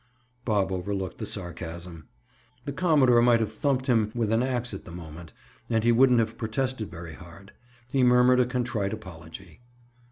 Bob overlooked the sarcasm. The commodore might have thumped him with an ax, at the moment, and he wouldn't have protested very hard. He murmured a contrite apology.